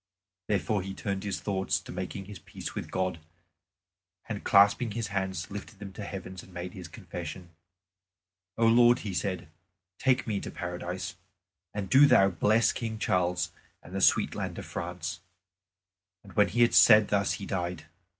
Therefore he turned his thoughts to making his peace with God, and clasping his hands lifted them to heaven and made his confession. "O Lord," he said, "take me into Paradise. And do Thou bless King Charles and the sweet land of France." And when he had said thus he died.